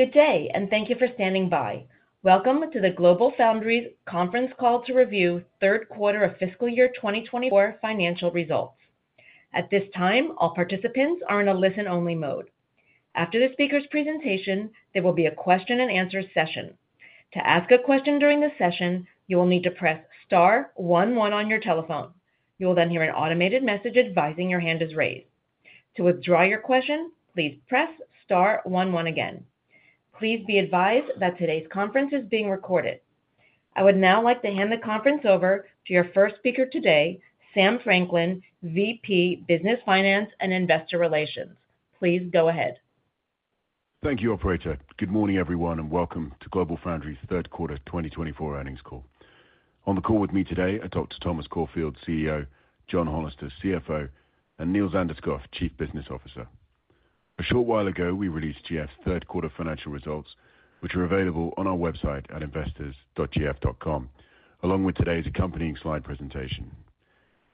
Good day and thank you for standing by. Welcome to the GlobalFoundries Conference Call to review Q3 of Fiscal Year 2024 Financial Results. At this time, all participants are in a listen-only mode. After the speaker's presentation, there will be a question-and-answer session. To ask a question during the session, you will need to press star one one on your telephone. You will then hear an automated message advising your hand is raised. To withdraw your question, please press star one one again. Please be advised that today's conference is being recorded. I would now like to hand the conference over to your first speaker today, Sam Franklin, VP, Business Finance and Investor Relations. Please go ahead. Thank you, Operator. Good morning, everyone, and welcome to GlobalFoundries Q3 2024 Earnings Call. On the call with me today are Dr. Thomas Caulfield, CEO, John Hollister, CFO, and Niels Anderskouv, Chief Business Officer. A short while ago, we released GF's Q3 financial results, which are available on our website at investors.gf.com, along with today's accompanying slide presentation.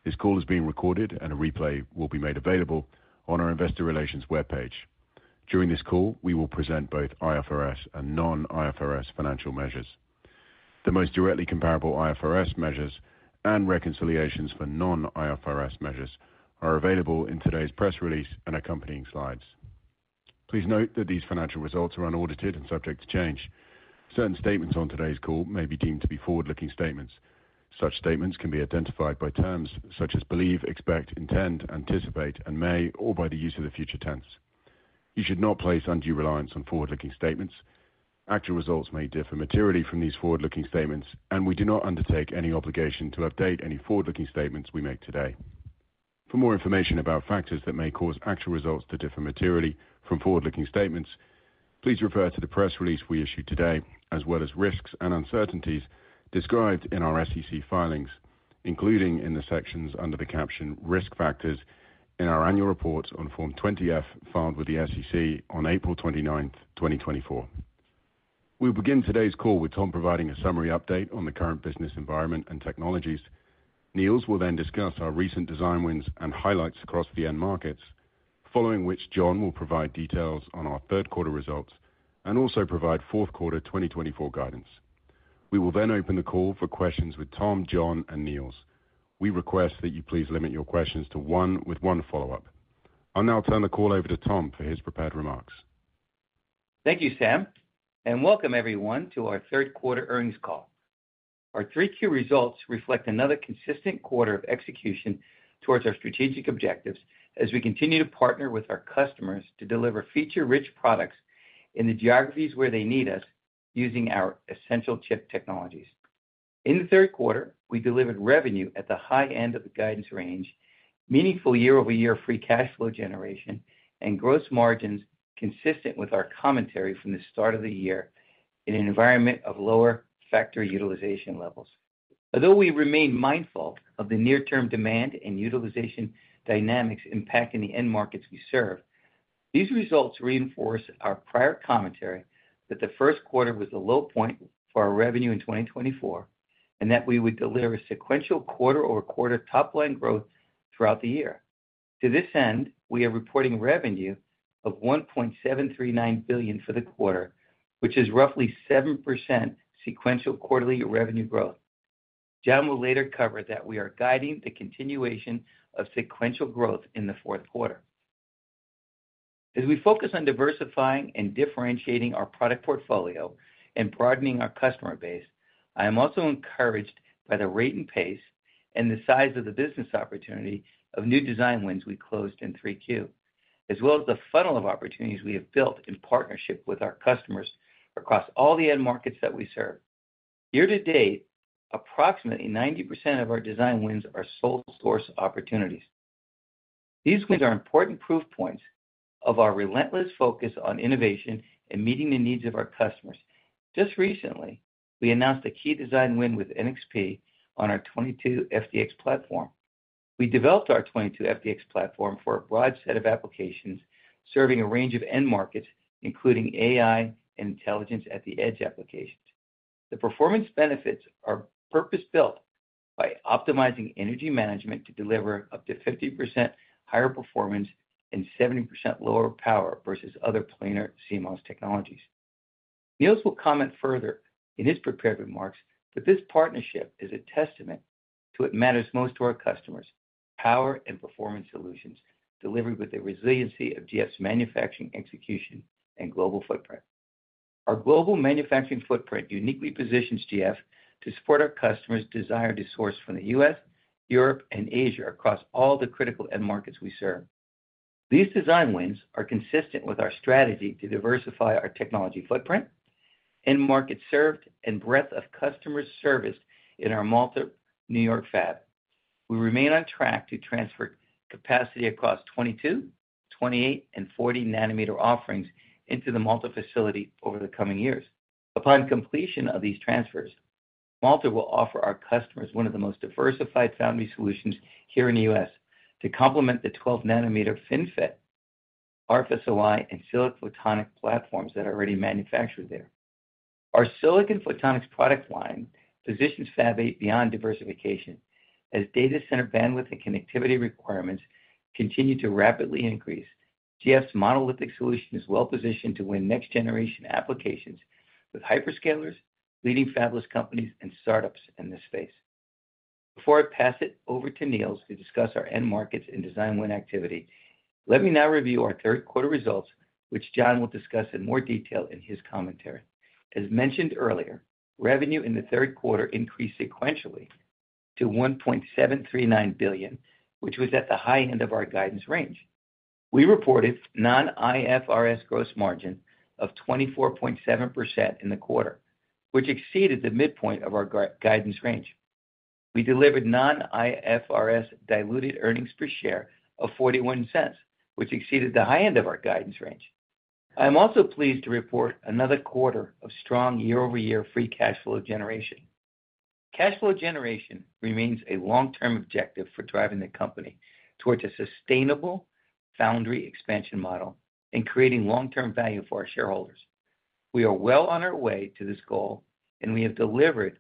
This call is being recorded, and a replay will be made available on our Investor Relations webpage. During this call, we will present both IFRS and non-IFRS financial measures. The most directly comparable IFRS measures and reconciliations for non-IFRS measures are available in today's press release and accompanying slides. Please note that these financial results are unaudited and subject to change. Certain statements on today's call may be deemed to be forward-looking statements. Such statements can be identified by terms such as believe, expect, intend, anticipate, and may, or by the use of the future tense. You should not place undue reliance on forward-looking statements. Actual results may differ materially from these forward-looking statements, and we do not undertake any obligation to update any forward-looking statements we make today. For more information about factors that may cause actual results to differ materially from forward-looking statements, please refer to the press release we issued today, as well as risks and uncertainties described in our SEC filings, including in the sections under the caption Risk Factors in our annual reports on Form 20-F filed with the SEC on 29 April 2024. We'll begin today's call with Tom providing a summary update on the current business environment and technologies. Niels will then discuss our recent design wins and highlights across the end markets, following which John will provide details on our Q3 results and also provide Q4 2024 guidance. We will then open the call for questions with Tom, John, and Niels. We request that you please limit your questions to one with one follow-up. I'll now turn the call over to Tom for his prepared remarks. Thank you, Sam, and welcome everyone to our Q3 earnings call. Our Q3 results reflect another consistent quarter of execution towards our strategic objectives as we continue to partner with our customers to deliver feature-rich products in the geographies where they need us using our essential chip technologies. In the Q3, we delivered revenue at the high end of the guidance range, meaningful year-over-year free cash flow generation, and gross margins consistent with our commentary from the start of the year in an environment of lower factor utilization levels. Although we remain mindful of the near-term demand and utilization dynamics impacting the end markets we serve, these results reinforce our prior commentary that the Q1 was the low point for our revenue in 2024 and that we would deliver a sequential quarter-over-quarter top-line growth throughout the year. To this end, we are reporting revenue of $1.739 billion for the quarter, which is roughly 7% sequential quarterly revenue growth. John will later cover that we are guiding the continuation of sequential growth in the Q4. As we focus on diversifying and differentiating our product portfolio and broadening our customer base, I am also encouraged by the rate and pace and the size of the business opportunity of new design wins we closed in Q3, as well as the funnel of opportunities we have built in partnership with our customers across all the end markets that we serve. Year to date, approximately 90% of our design wins are sole-source opportunities. These wins are important proof points of our relentless focus on innovation and meeting the needs of our customers. Just recently, we announced a key design win with NXP on our 22FDX platform. We developed our 22FDX platform for a broad set of applications serving a range of end markets, including AI and intelligence at the edge applications. The performance benefits are purpose-built by optimizing energy management to deliver up to 50% higher performance and 70% lower power versus other planar CMOS technologies. Niels will comment further in his prepared remarks that this partnership is a testament to what matters most to our customers: power and performance solutions delivered with the resiliency of GF's manufacturing execution and global footprint. Our global manufacturing footprint uniquely positions GF to support our customers' desire to source from the US, Europe, and Asia across all the critical end markets we serve. These design wins are consistent with our strategy to diversify our technology footprint, end market served, and breadth of customers serviced in our Malta, New York fab. We remain on track to transfer capacity across 22, 28, and 40-nanometer offerings into the Malta facility over the coming years. Upon completion of these transfers, Malta will offer our customers one of the most diversified foundry solutions here in the US to complement the 12-nanometer FinFET, RF SOI, and silicon photonics platforms that are already manufactured there. Our silicon photonics product line positions Fab 8 beyond diversification as data center bandwidth and connectivity requirements continue to rapidly increase. GF's monolithic solution is well positioned to win next-generation applications with hyperscalers, leading fabless companies, and startups in this space. Before I pass it over to Niels to discuss our end markets and design win activity, let me now review our Q3 results, which John will discuss in more detail in his commentary. As mentioned earlier, revenue in the Q3 increased sequentially to $1.739 billion, which was at the high end of our guidance range. We reported non-IFRS gross margin of 24.7% in the quarter, which exceeded the midpoint of our guidance range. We delivered non-IFRS diluted earnings per share of $0.41, which exceeded the high end of our guidance range. I am also pleased to report another quarter of strong year-over-year free cash flow generation. Cash flow generation remains a long-term objective for driving the company towards a sustainable foundry expansion model and creating long-term value for our shareholders. We are well on our way to this goal, and we have delivered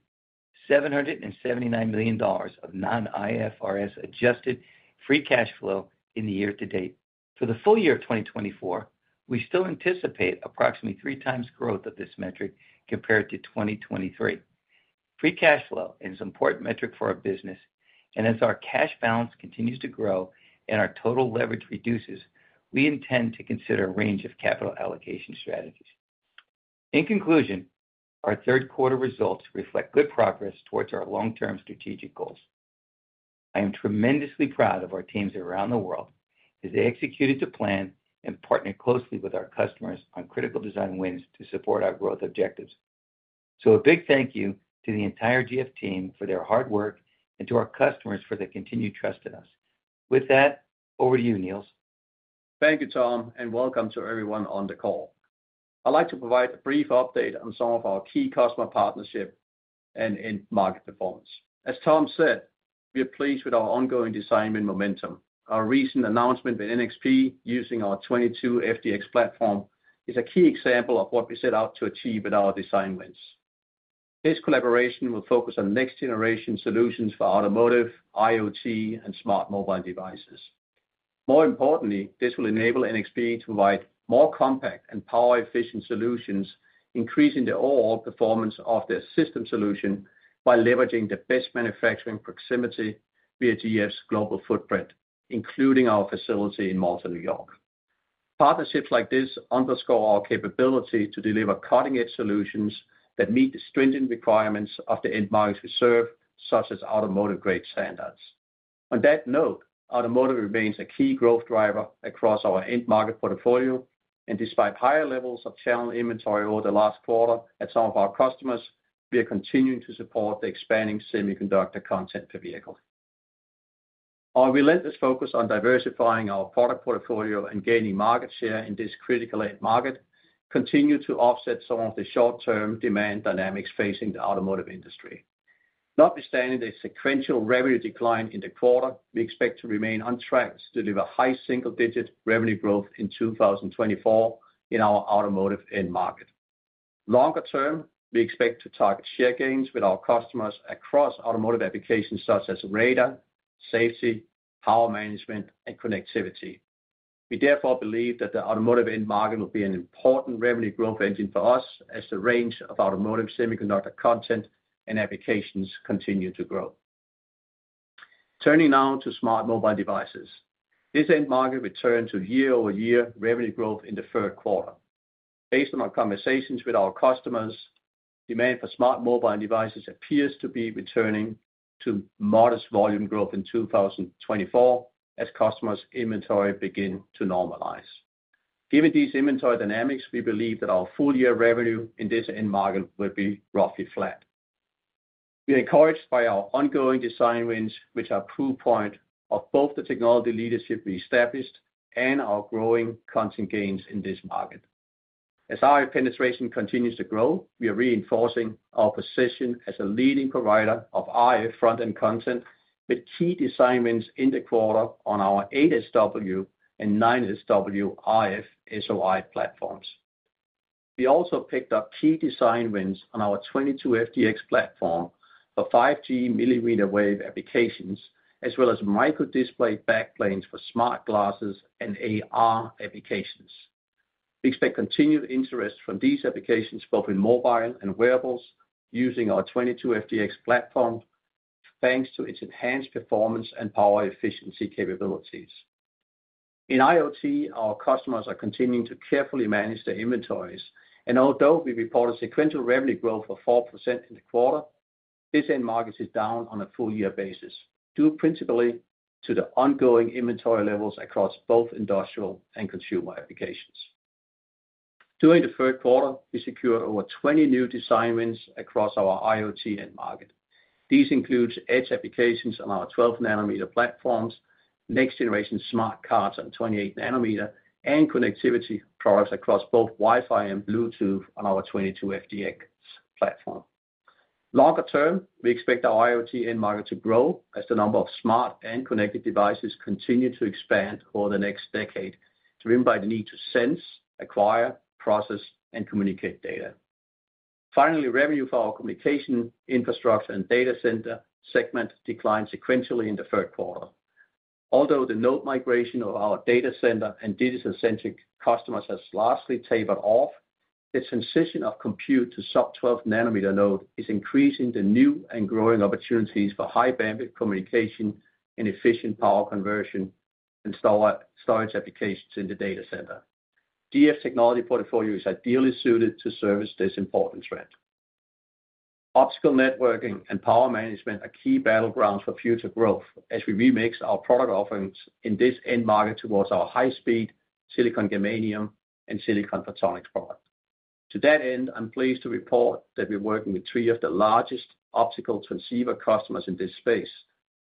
$779 million of non-IFRS adjusted free cash flow in the year to date. For the full year of 2024, we still anticipate approximately three times growth of this metric compared to 2023. Free Cash Flow is an important metric for our business, and as our cash balance continues to grow and our total leverage reduces, we intend to consider a range of capital allocation strategies. In conclusion, our Q3 results reflect good progress towards our long-term strategic goals. I am tremendously proud of our teams around the world as they executed the plan and partnered closely with our customers on critical design wins to support our growth objectives. So a big thank you to the entire GF team for their hard work and to our customers for their continued trust in us. With that, over to you, Niels. Thank you, Tom, and welcome to everyone on the call. I'd like to provide a brief update on some of our key customer partnership and end market performance. As Tom said, we are pleased with our ongoing design win momentum. Our recent announcement with NXP using our 22FDX platform is a key example of what we set out to achieve with our design wins. This collaboration will focus on next-generation solutions for automotive, IoT, and smart mobile devices. More importantly, this will enable NXP to provide more compact and power-efficient solutions, increasing the overall performance of their system solution by leveraging the best manufacturing proximity via GF's global footprint, including our facility in Malta, New York. Partnerships like this underscore our capability to deliver cutting-edge solutions that meet the stringent requirements of the end markets we serve, such as automotive-grade standards. On that note, automotive remains a key growth driver across our end market portfolio, and despite higher levels of channel inventory over the last quarter at some of our customers, we are continuing to support the expanding semiconductor content per vehicle. Our relentless focus on diversifying our product portfolio and gaining market share in this critical end market continues to offset some of the short-term demand dynamics facing the automotive industry. Notwithstanding the sequential revenue decline in the quarter, we expect to remain on track to deliver high single-digit revenue growth in 2024 in our automotive end market. Longer term, we expect to target share gains with our customers across automotive applications such as radar, safety, power management, and connectivity. We therefore believe that the automotive end market will be an important revenue growth engine for us as the range of automotive semiconductor content and applications continue to grow. Turning now to smart mobile devices, this end market returned to year-over-year revenue growth in the Q3. Based on our conversations with our customers, demand for smart mobile devices appears to be returning to modest volume growth in 2024 as customers' inventory begins to normalize. Given these inventory dynamics, we believe that our full-year revenue in this end market will be roughly flat. We are encouraged by our ongoing design wins, which are a proof point of both the technology leadership we established and our growing content gains in this market. As RF penetration continues to grow, we are reinforcing our position as a leading provider of RF front-end content with key design wins in the quarter on our 8SW and 9SW RF SOI platforms. We also picked up key design wins on our 22FDX platform for 5G millimeter wave applications, as well as micro-display backplanes for smart glasses and AR applications. We expect continued interest from these applications both in mobile and wearables using our 22FDX platform, thanks to its enhanced performance and power efficiency capabilities. In IoT, our customers are continuing to carefully manage their inventories, and although we reported sequential revenue growth of 4% in the quarter, this end market is down on a full-year basis due principally to the ongoing inventory levels across both industrial and consumer applications. During the Q3, we secured over 20 new design wins across our IoT end market. These include edge applications on our 12-nanometer platforms, next-generation smart cards on 28-nanometer, and connectivity products across both Wi-Fi and Bluetooth on our 22FDX platform. Longer term, we expect our IoT end market to grow as the number of smart and connected devices continues to expand over the next decade, driven by the need to sense, acquire, process, and communicate data. Finally, revenue for our communication infrastructure and data center segment declined sequentially in the Q3. Although the node migration of our data center and digital-centric customers has largely tapered off, the transition of compute to sub-12-nanometer node is increasing the new and growing opportunities for high-bandwidth communication and efficient power conversion and storage applications in the data center. GF technology portfolio is ideally suited to service this important trend. Optical networking and power management are key battlegrounds for future growth as we remix our product offerings in this end market towards our high-speed silicon germanium and silicon photonics product. To that end, I'm pleased to report that we're working with three of the largest optical transceiver customers in this space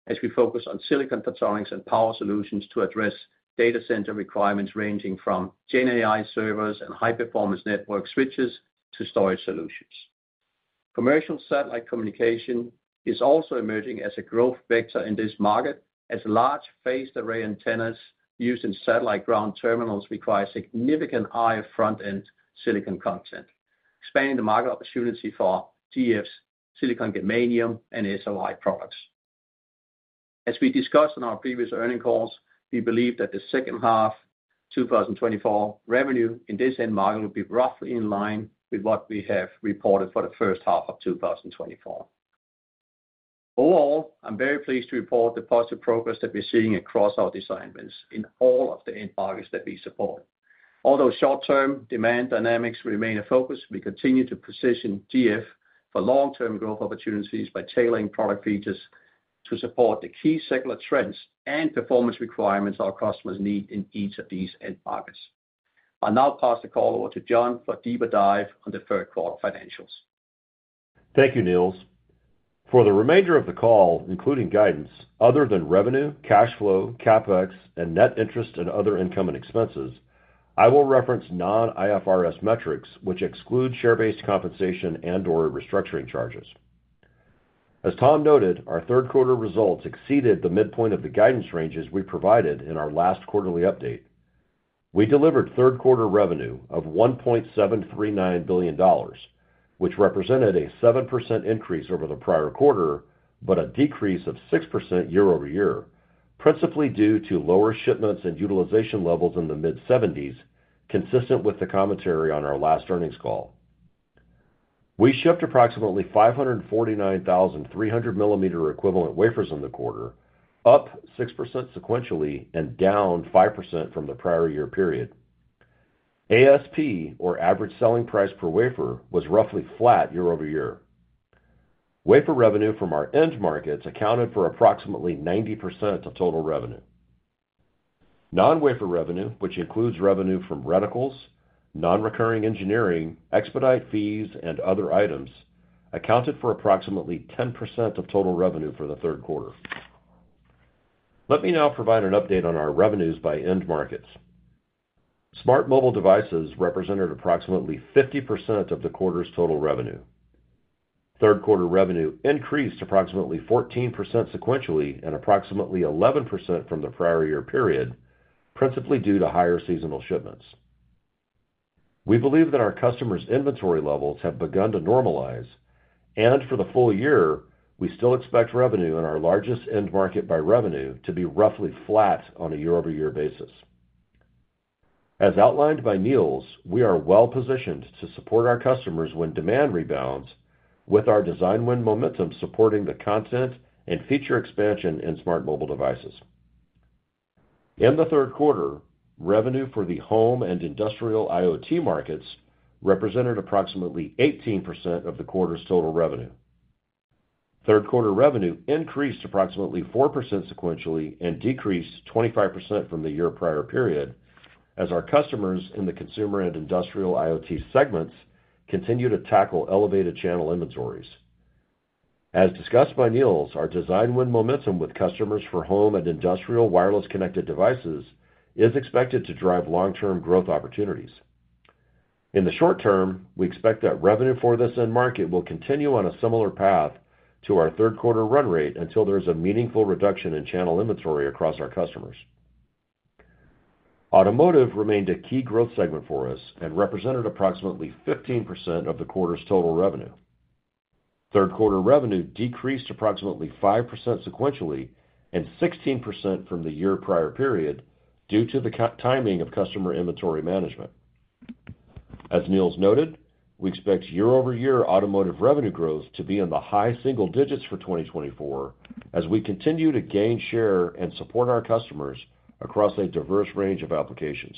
as we focus on silicon photonics and power solutions to address data center requirements ranging from GenAI servers and high-performance network switches to storage solutions. Commercial satellite communication is also emerging as a growth vector in this market as large phased-array antennas used in satellite ground terminals require significant RF front-end silicon content, expanding the market opportunity for GF's silicon germanium and SOI products. As we discussed in our previous earnings calls, we believe that the second half of 2024 revenue in this end market will be roughly in line with what we have reported for the first half of 2024. Overall, I'm very pleased to report the positive progress that we're seeing across our design wins in all of the end markets that we support. Although short-term demand dynamics remain a focus, we continue to position GF for long-term growth opportunities by tailoring product features to support the key secular trends and performance requirements our customers need in each of these end markets. I'll now pass the call over to John for a deeper dive on the Q3 financials. Thank you, Niels. For the remainder of the call, including guidance other than revenue, cash flow, CapEx, and net interest and other income and expenses, I will reference Non-IFRS metrics, which exclude share-based compensation and/or restructuring charges. As Tom noted, our Q3 results exceeded the midpoint of the guidance ranges we provided in our last quarterly update. We delivered Q3 revenue of $1.739 billion, which represented a 7% increase over the prior quarter, but a decrease of 6% year-over-year, principally due to lower shipments and utilization levels in the mid-70s, consistent with the commentary on our last earnings call. We shipped approximately 549,300 300-millimeter equivalent wafers in the quarter, up 6% sequentially and down 5% from the prior year period. ASP, or average selling price per wafer, was roughly flat year-over-year. Wafer revenue from our end markets accounted for approximately 90% of total revenue. Non-wafer revenue, which includes revenue from reticles, non-recurring engineering, expedite fees, and other items, accounted for approximately 10% of total revenue for the Q3. Let me now provide an update on our revenues by end markets. Smart Mobile Devices represented approximately 50% of the quarter's total revenue. Q3 revenue increased approximately 14% sequentially and approximately 11% from the prior year period, principally due to higher seasonal shipments. We believe that our customers' inventory levels have begun to normalize, and for the full year, we still expect revenue in our largest end market by revenue to be roughly flat on a year-over-year basis. As outlined by Niels, we are well positioned to support our customers when demand rebounds, with our design win momentum supporting the content and feature expansion in Smart Mobile Devices. In the Q3, revenue for the home and industrial IoT markets represented approximately 18% of the quarter's total revenue. Q3 revenue increased approximately 4% sequentially and decreased 25% from the year prior period as our customers in the consumer and industrial IoT segments continue to tackle elevated channel inventories. As discussed by Niels, our design win momentum with customers for home and industrial wireless connected devices is expected to drive long-term growth opportunities. In the short term, we expect that revenue for this end market will continue on a similar path to our Q3 run rate until there is a meaningful reduction in channel inventory across our customers. Automotive remained a key growth segment for us and represented approximately 15% of the quarter's total revenue. Q3 revenue decreased approximately 5% sequentially and 16% from the year prior period due to the timing of customer inventory management. As Niels noted, we expect year-over-year automotive revenue growth to be in the high single digits for 2024 as we continue to gain share and support our customers across a diverse range of applications.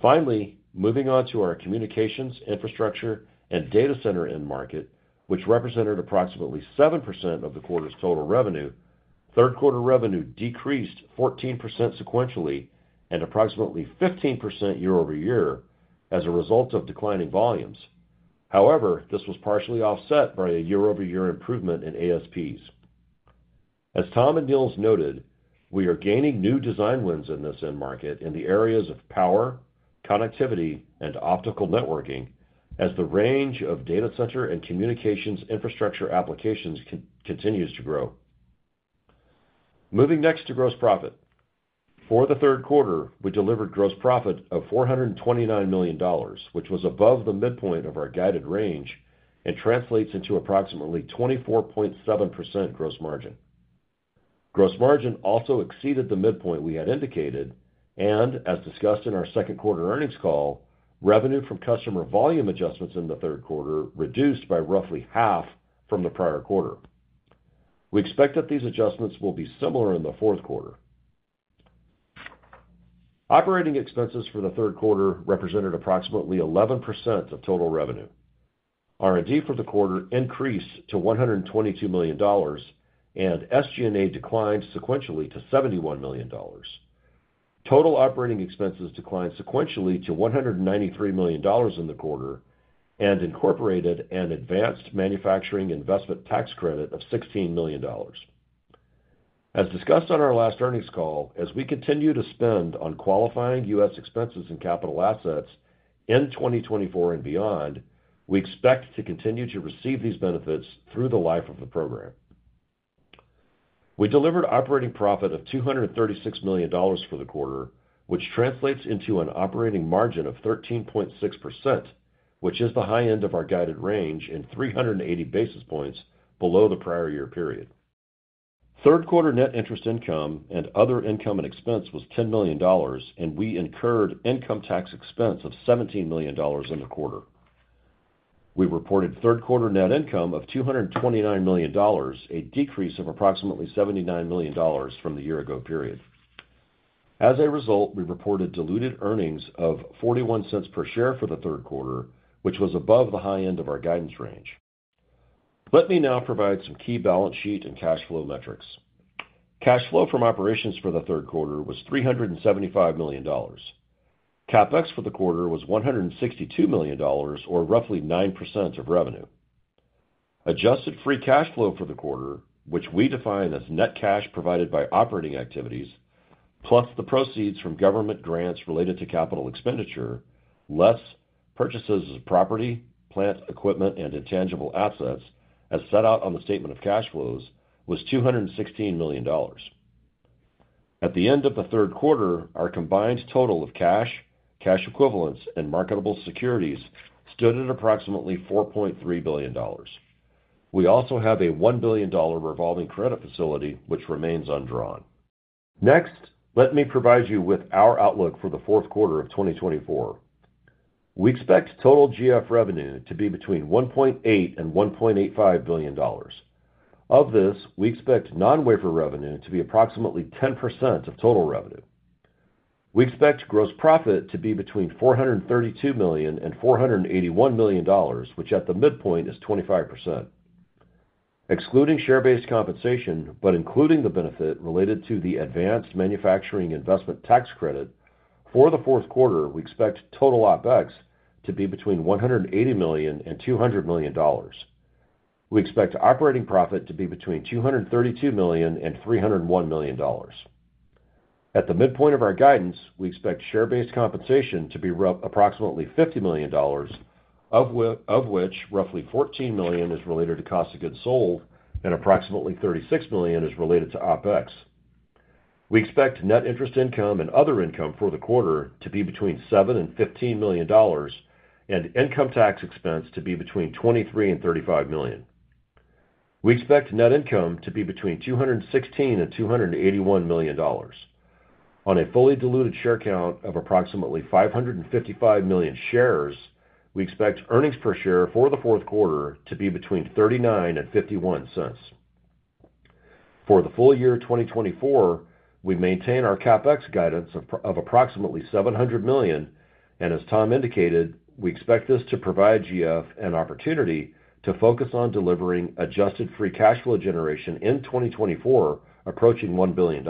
Finally, moving on to our communications, infrastructure, and data center end market, which represented approximately 7% of the quarter's total revenue, Q3 revenue decreased 14% sequentially and approximately 15% year-over-year as a result of declining volumes. However, this was partially offset by a year-over-year improvement in ASPs. As Tom and Niels noted, we are gaining new design wins in this end market in the areas of power, connectivity, and optical networking as the range of data center and communications infrastructure applications continues to grow. Moving next to gross profit. For the Q3, we delivered gross profit of $429 million, which was above the midpoint of our guided range and translates into approximately 24.7% gross margin. Gross margin also exceeded the midpoint we had indicated, and as discussed in our Q2 earnings call, revenue from customer volume adjustments in the Q3 reduced by roughly half from the prior quarter. We expect that these adjustments will be similar in the Q4. Operating expenses for the Q3 represented approximately 11% of total revenue. R&D for the quarter increased to $122 million, and SG&A declined sequentially to $71 million. Total operating expenses declined sequentially to $193 million in the quarter and incorporated an Advanced Manufacturing Investment Tax Credit of $16 million. As discussed on our last earnings call, as we continue to spend on qualifying US expenses and capital assets in 2024 and beyond, we expect to continue to receive these benefits through the life of the program. We delivered operating profit of $236 million for the quarter, which translates into an operating margin of 13.6%, which is the high end of our guided range in 380 basis points below the prior year period. Q3 net interest income and other income and expense was $10 million, and we incurred income tax expense of $17 million in the quarter. We reported Q3 net income of $229 million, a decrease of approximately $79 million from the year-ago period. As a result, we reported diluted earnings of $0.41 per share for the Q3, which was above the high end of our guidance range. Let me now provide some key balance sheet and cash flow metrics. Cash flow from operations for the Q3 was $375 million. CapEx for the quarter was $162 million, or roughly 9% of revenue. Adjusted free cash flow for the quarter, which we define as net cash provided by operating activities, plus the proceeds from government grants related to capital expenditure, less purchases of property, plant, equipment, and intangible assets, as set out on the statement of cash flows, was $216 million. At the end of the Q3, our combined total of cash, cash equivalents, and marketable securities stood at approximately $4.3 billion. We also have a $1 billion revolving credit facility, which remains undrawn. Next, let me provide you with our outlook for the Q4 of 2024. We expect total GF revenue to be between $1.8 and 1.85 billion. Of this, we expect non-wafer revenue to be approximately 10% of total revenue. We expect gross profit to be between $432 and 481 million, which at the midpoint is 25%. Excluding share-based compensation, but including the benefit related to the Advanced Manufacturing Investment Tax Credit for the Q4, we expect total OpEx to be between $180 and 200 million. We expect operating profit to be between $232 and 301 million. At the midpoint of our guidance, we expect share-based compensation to be approximately $50 million, of which roughly $14 million is related to cost of goods sold and approximately $36 million is related to OpEx. We expect net interest income and other income for the quarter to be between $7 and 15 million, and income tax expense to be between $23 and 35 million. We expect net income to be between $216 and 281 million. On a fully diluted share count of approximately 555 million shares, we expect earnings per share for the Q4 to be between $0.39 and 0.51. For the full year 2024, we maintain our CapEx guidance of approximately $700 million, and as Tom indicated, we expect this to provide GF an opportunity to focus on delivering adjusted free cash flow generation in 2024, approaching $1 billion.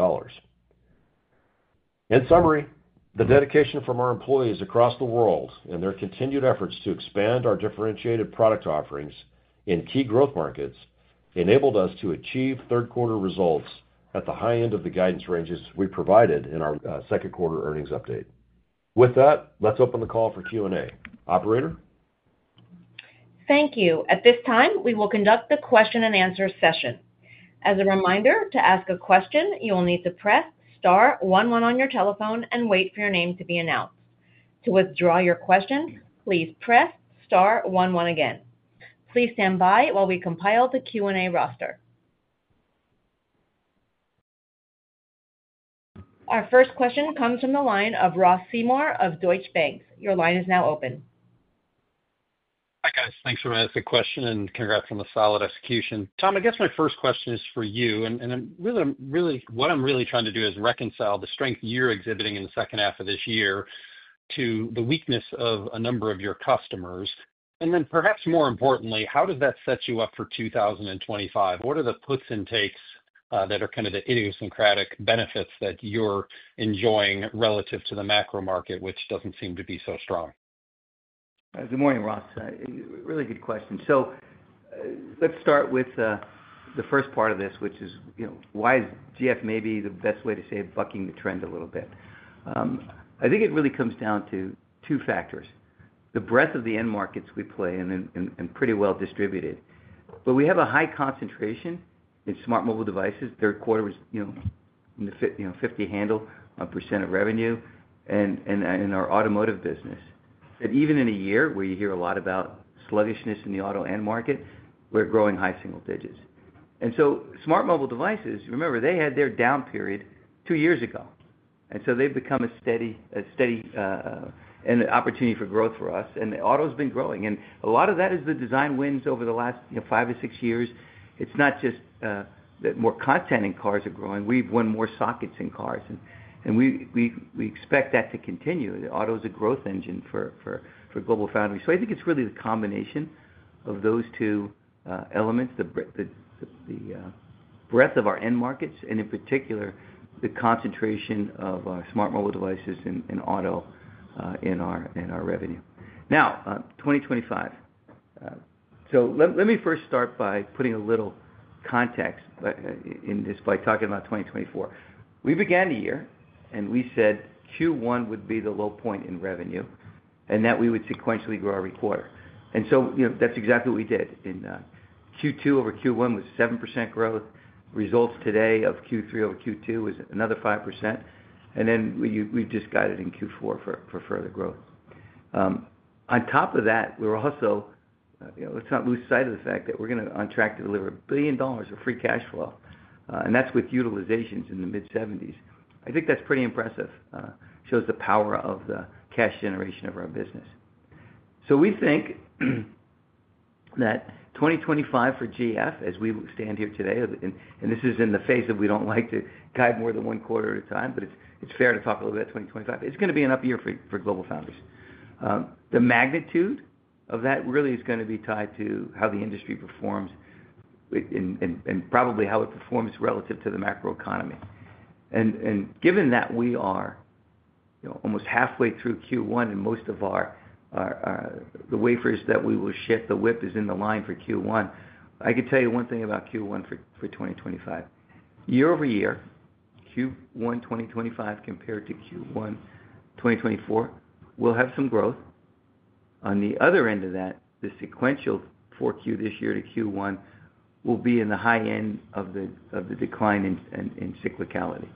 In summary, the dedication from our employees across the world and their continued efforts to expand our differentiated product offerings in key growth markets enabled us to achieve Q3 results at the high end of the guidance ranges we provided in our Q2 earnings update. With that, let's open the call for Q&A. Operator? Thank you. At this time, we will conduct the question and answer session. As a reminder, to ask a question, you will need to press star 11 on your telephone and wait for your name to be announced. To withdraw your question, please press star one one again. Please stand by while we compile the Q&A roster. Our first question comes from the line of Ross Seymore of Deutsche Bank. Your line is now open. Hi, guys. Thanks for asking the question and congrats on the solid execution. Tom, I guess my first question is for you, and really, what I'm really trying to do is reconcile the strength you're exhibiting in the second half of this year to the weakness of a number of your customers, and then perhaps more importantly, how does that set you up for 2025? What are the puts and takes that are kind of the idiosyncratic benefits that you're enjoying relative to the macro market, which doesn't seem to be so strong? Good morning, Ross. Really good question. So let's start with the first part of this, which is why is GF maybe the best way to say bucking the trend a little bit? I think it really comes down to two factors: the breadth of the end markets we play in and pretty well distributed. But we have a high concentration in smart mobile devices. Q3 was in the 50 handle % of revenue in our automotive business. But even in a year where you hear a lot about sluggishness in the auto end market, we're growing high single digits. And so smart mobile devices, remember, they had their down period two years ago. And so they've become a steady opportunity for growth for us. And auto has been growing. And a lot of that is the design wins over the last five or six years. It's not just that more content in cars are growing. We've won more sockets in cars, and we expect that to continue. Auto is a growth engine for GlobalFoundries, so I think it's really the combination of those two elements, the breadth of our end markets, and in particular, the concentration of smart mobile devices and auto in our revenue. Now, 2025, so let me first start by putting a little context in this by talking about 2024. We began the year and we said Q1 would be the low point in revenue and that we would sequentially grow every quarter, and so that's exactly what we did. In Q2 over Q1 was 7% growth. Results today of Q3 over Q2 was another 5%, and then we just guided in Q4 for further growth. On top of that, we're also, let's not lose sight of the fact that we're on track to deliver $1 billion of free cash flow. That's with utilizations in the mid-70s%. I think that's pretty impressive. It shows the power of the cash generation of our business. We think that 2025 for GF, as we stand here today, and this is in the phase of we don't like to guide more than one quarter at a time, but it's fair to talk a little bit about 2025. It's going to be an up year for GlobalFoundries. The magnitude of that really is going to be tied to how the industry performs and probably how it performs relative to the macro economy. And given that we are almost halfway through Q1 and most of the wafers that we will ship, the WIP is in the line for Q1, I can tell you one thing about Q1 for 2025. year-over-year, Q1 2025 compared to Q1 2024 will have some growth. On the other end of that, the sequential for Q this year to Q1 will be in the high end of the decline in cyclicality.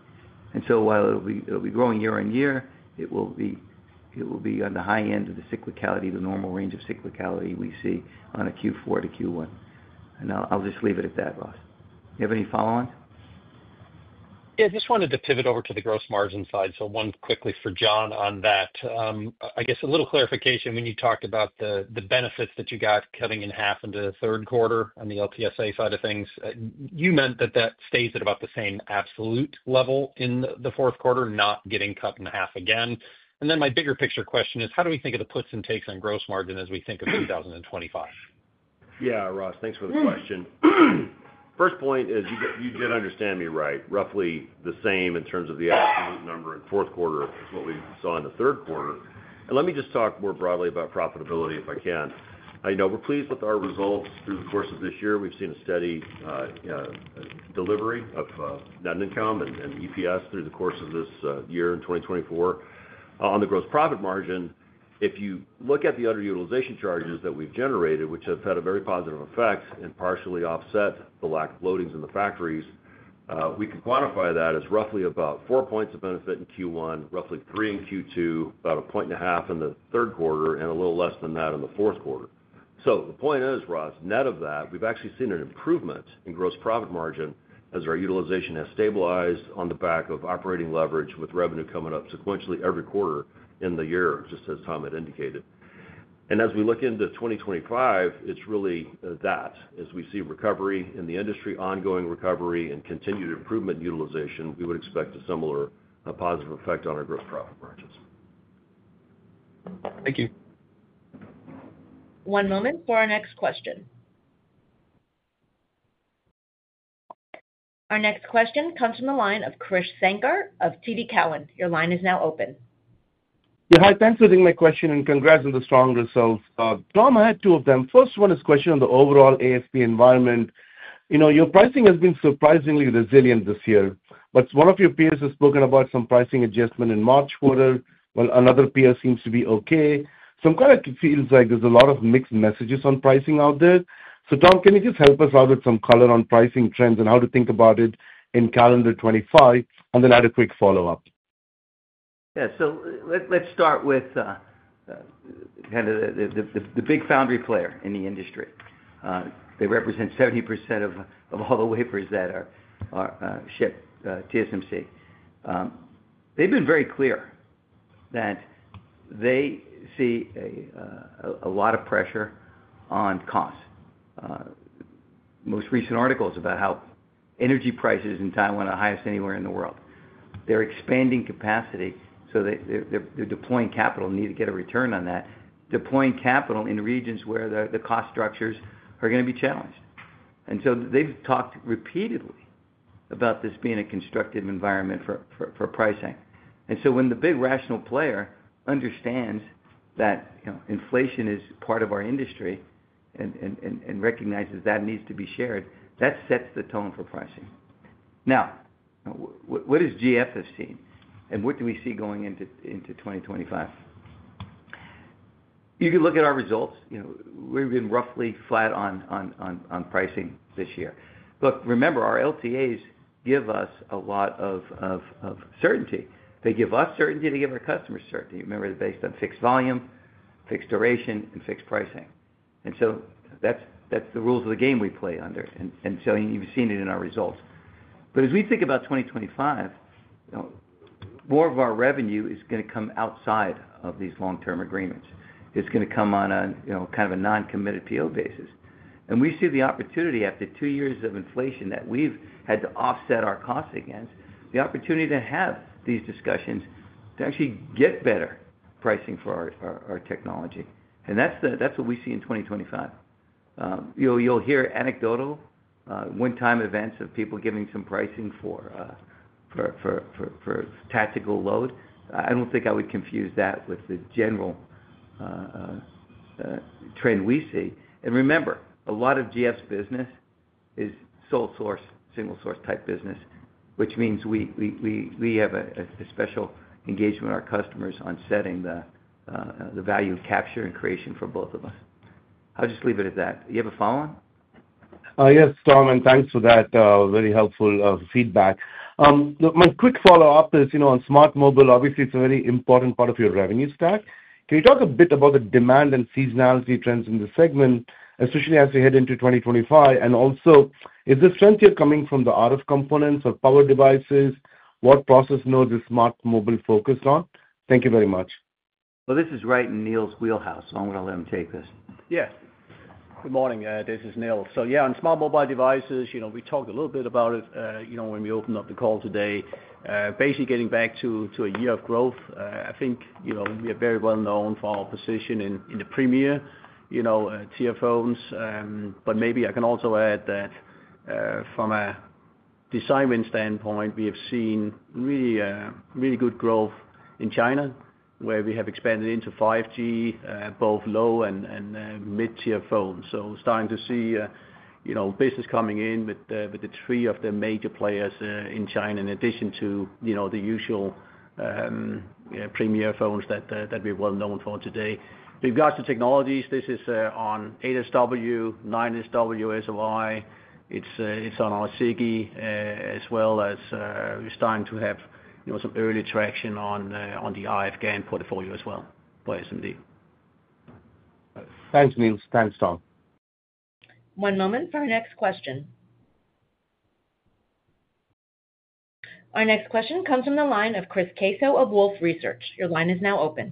And so while it'll be growing year on year, it will be on the high end of the cyclicality, the normal range of cyclicality we see on a Q4 to Q1. And I'll just leave it at that, Ross. Do you have any follow-ons? Yeah, I just wanted to pivot over to the gross margin side. So one quickly for John on that. I guess a little clarification when you talked about the benefits that you got cutting in half into the Q3 on the LTSA side of things. You meant that that stays at about the same absolute level in the Q4, not getting cut in half again. And then my bigger picture question is, how do we think of the puts and takes on gross margin as we think of 2025? Yeah, Ross, thanks for the question. First point is you did understand me right. Roughly the same in terms of the absolute number in Q4 is what we saw in the Q3. And let me just talk more broadly about profitability if I can. We're pleased with our results through the course of this year. We've seen a steady delivery of net income and EPS through the course of this year in 2024. On the gross profit margin, if you look at the underutilization charges that we've generated, which have had a very positive effect and partially offset the lack of loadings in the factories, we can quantify that as roughly about four points of benefit in Q1, roughly three in Q2, about a point and a half in the Q3, and a little less than that in the Q4. So the point is, Ross, net of that, we've actually seen an improvement in gross profit margin as our utilization has stabilized on the back of operating leverage with revenue coming up sequentially every quarter in the year, just as Tom had indicated. And as we look into 2025, it's really that. As we see recovery in the industry, ongoing recovery, and continued improvement in utilization, we would expect a similar positive effect on our gross profit margins. Thank you. One moment for our next question. Our next question comes from the line of Krish Sankar of TD Cowen. Your line is now open. Yeah, hi. Thanks for taking my question and congrats on the strong results. Tom, I had two of them. First one is a question on the overall ASP environment. Your pricing has been surprisingly resilient this year. But one of your peers has spoken about some pricing adjustment in March quarter. Well, another peer seems to be okay. So it kind of feels like there's a lot of mixed messages on pricing out there. So Tom, can you just help us out with some color on pricing trends and how to think about it in calendar 2025? And then add a quick follow-up. Yeah, so let's start with kind of the big foundry player in the industry. They represent 70% of all the wafers that are shipped to TSMC. They've been very clear that they see a lot of pressure on costs. Most recent articles about how energy prices in Taiwan are the highest anywhere in the world. They're expanding capacity, so they're deploying capital and need to get a return on that, deploying capital in regions where the cost structures are going to be challenged. And so they've talked repeatedly about this being a constructive environment for pricing. And so when the big foundry player understands that inflation is part of our industry and recognizes that needs to be shared, that sets the tone for pricing. Now, what does GF have seen and what do we see going into 2025? You can look at our results. We've been roughly flat on pricing this year. Look, remember, our LTAs give us a lot of certainty. They give us certainty. They give our customers certainty. Remember, they're based on fixed volume, fixed duration, and fixed pricing. And so that's the rules of the game we play under. And so you've seen it in our results. But as we think about 2025, more of our revenue is going to come outside of these long-term agreements. It's going to come on kind of a non-committed PO basis. And we see the opportunity after two years of inflation that we've had to offset our costs against, the opportunity to have these discussions to actually get better pricing for our technology. And that's what we see in 2025. You'll hear anecdotal one-time events of people giving some pricing for tactical load. I don't think I would confuse that with the general trend we see. And remember, a lot of GF's business is sole source, single source type business, which means we have a special engagement with our customers on setting the value capture and creation for both of us. I'll just leave it at that. You have a follow-on? Yes, Tom, and thanks for that very helpful feedback. My quick follow-up is on smart mobile. Obviously, it's a very important part of your revenue stack. Can you talk a bit about the demand and seasonality trends in the segment, especially as we head into 2025? And also, is the strength here coming from the RF components or power devices? What process nodes is smart mobile focused on? Thank you very much. This is right in Niels's wheelhouse, so I'm going to let him take this. Yes. Good morning. This is Niels. So yeah, on smart mobile devices, we talked a little bit about it when we opened up the call today. Basically getting back to a year of growth. I think we are very well known for our position in the premier tier phones. But maybe I can also add that from a design win standpoint, we have seen really good growth in China where we have expanded into 5G, both low and mid-tier phones. So starting to see business coming in with the three of the major players in China in addition to the usual premier phones that we're well known for today. In regards to technologies, this is on 8SW, 9SW, SOI. It's on our SiGe as well as we're starting to have some early traction on the RF GaN portfolio as well in SMD. Thanks, Niels. Thanks, Tom. One moment for our next question. Our next question comes from the line of Chris Caso of Wolfe Research. Your line is now open.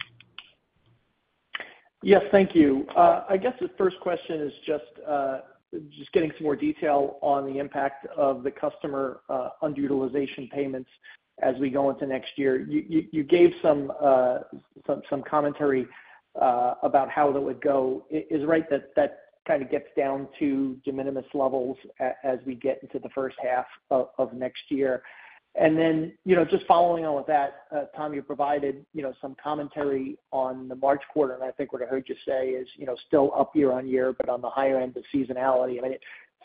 Yes, thank you. I guess the first question is just getting some more detail on the impact of the customer underutilization payments as we go into next year. You gave some commentary about how that would go. Is it right that that kind of gets down to de minimis levels as we get into the first half of next year? And then just following on with that, Tom, you provided some commentary on the March quarter. And I think what I heard you say is still up year on year, but on the higher end of seasonality. I mean,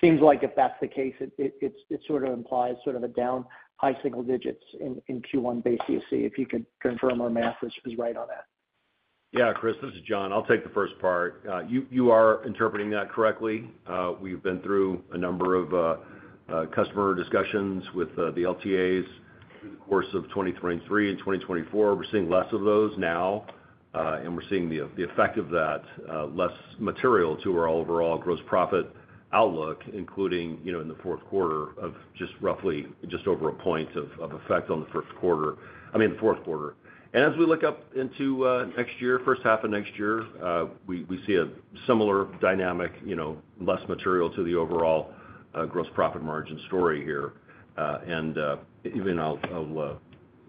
it seems like if that's the case, it sort of implies sort of a down, high single digits in Q1 base year. So if you could confirm our math is right on that. Yeah, Chris, this is John. I'll take the first part. You are interpreting that correctly. We've been through a number of customer discussions with the LTAs through the course of 2023 and 2024. We're seeing less of those now. And we're seeing the effect of that less material to our overall gross profit outlook, including in the Q4 of just roughly just over a point of effect on the Q1. I mean, the Q4. And as we look up into next year, first half of next year, we see a similar dynamic, less material to the overall gross profit margin story here. And even I'll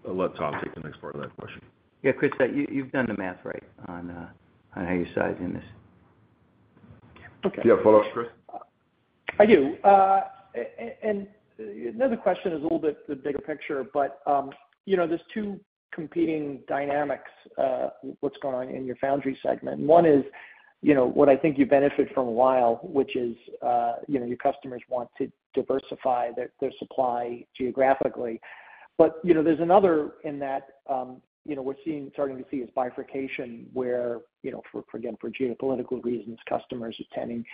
let Tom take the next part of that question. Yeah, Chris, you've done the math right on how you're sizing this. Yeah, follow-up, Chris? I do. And another question is a little bit the bigger picture, but there's two competing dynamics of what's going on in your foundry segment. One is what I think you benefit from a while, which is your customers want to diversify their supply geographically. But there's another in that we're starting to see is bifurcation where, again, for geopolitical reasons, customers are tending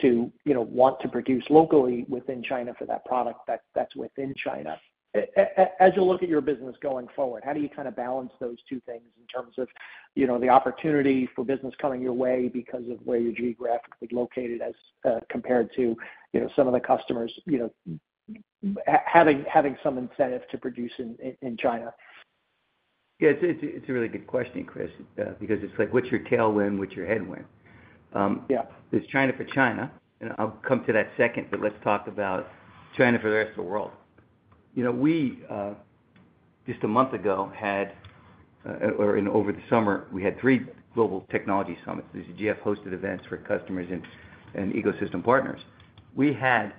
to want to produce locally within China for that product that's within China. As you look at your business going forward, how do you kind of balance those two things in terms of the opportunity for business coming your way because of where you're geographically located as compared to some of the customers having some incentive to produce in China? Yeah, it's a really good question, Chris, because it's like what's your tailwind, what's your headwind? There's China for China. And I'll come to that second, but let's talk about China for the rest of the world. We just a month ago had, or over the summer, we had three global technology summits. There's a GF-hosted event for customers and ecosystem partners. We had